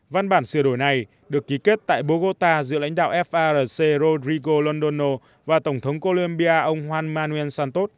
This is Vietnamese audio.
văn bản sửa đổi này được ký kết tại bogota giữa lãnh đạo farc rodrigo londono và tổng thống colombia ông juan manuel santos